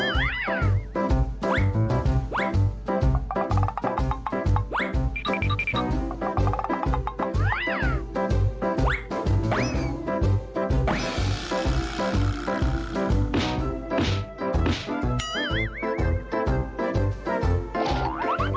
โอ้โฮ